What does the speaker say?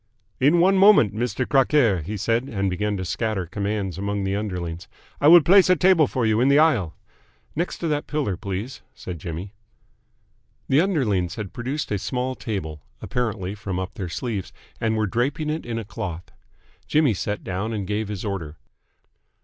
"In one moment, Mister Crockaire!" he said, and began to scatter commands among the underlings. "I will place a table for you in the aisle." "Next to that pillar, please," said Jimmy. The underlings had produced a small table apparently from up their sleeves, and were draping it in a cloth. Jimmy sat down and gave his order.